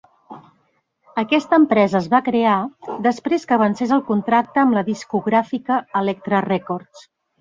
Aquesta empresa es va crear després que vencés el contracte amb la discogràfica Elektra Records.